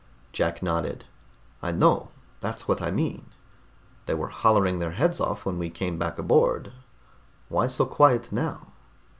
Jack nodded. "I know. That's what I mean. They were hollering their heads off when we came back aboard. Why so quiet now?"